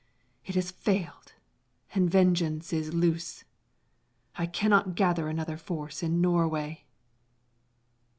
It has failed, and vengeance is loose. I cannot gather another force in Norway!